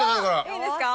いいですか？